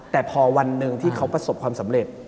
แต่พอวันหนึ่งที่เขาประสบความสำเร็จ